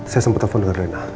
saya sempat telfon dengan rena